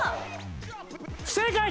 不正解！